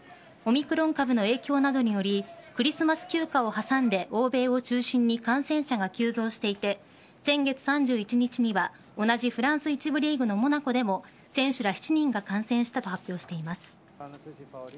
オミクロン株の影響などによりクリスマス休暇を挟んで欧米を中心に感染者が急増していて先月３１日には同じフランス１部リーグのモナコでも選手ら７人が感染したと発表しています。